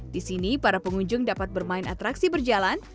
di sini para pengunjung dapat bermain atraksi berjalan